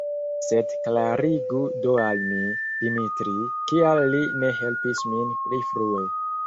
Sed klarigu do al mi, Dimitri, kial li ne helpis min pli frue.